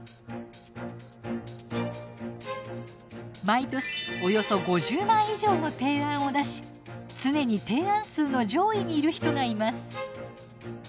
毎年およそ５０枚以上の提案を出し常に提案数の上位にいる人がいます。